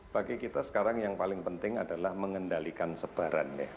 bagi kita sekarang yang paling penting adalah mengendalikan sebarannya